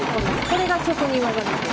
これが職人技です。